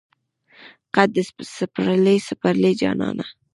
قد د سپرلی، سپرلی جانان